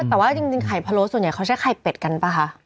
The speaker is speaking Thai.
แต่ว่าจริงไข่พะโล้ส่วนใหญ่เขาใช้ไข่เป็ดกันป่ะคะ